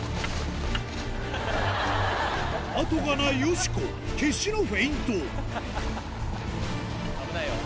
後がないよしこ決死のフェイント危ないよ。